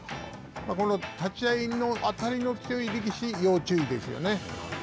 この立ち合いの当たりの強い力士に要注意ですよね。